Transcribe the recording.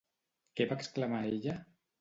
Què va exclamar ella?